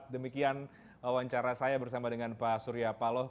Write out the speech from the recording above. demikian wawancara saya bersama dengan pak surya paloh